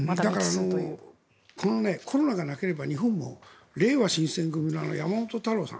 コロナがなければ日本もれいわ新選組の山本太郎さん。